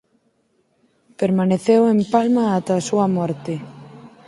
Permaneceu en Palma ata a súa morte.